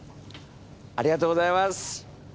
ありがとうございます。